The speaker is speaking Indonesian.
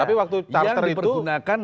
tapi waktu charter itu yang dipergunakan